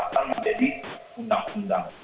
akan menjadi undang undang